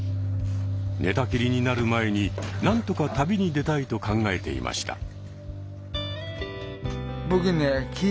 寝たきりになる前になんとか旅に出たいと考えていました。